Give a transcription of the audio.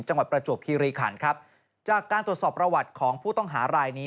ประจวบคีรีขันครับจากการตรวจสอบประวัติของผู้ต้องหารายนี้